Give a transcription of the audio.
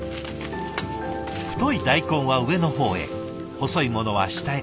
太い大根は上の方へ細いものは下へ。